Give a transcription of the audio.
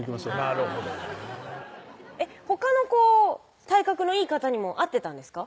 なるほどねほかの体格のいい方にも会ってたんですか？